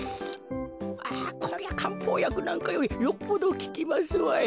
ああこりゃかんぽうやくなんかよりよっぽどききますわい。